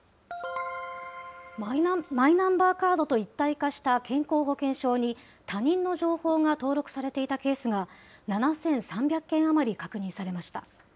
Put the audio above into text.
マイナンバーカードと一体化した健康保険証に、他人の情報が登録されていたケースが、７３００件余り確認されました。